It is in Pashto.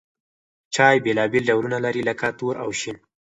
چای بېلابېل ډولونه لري لکه تور او شین.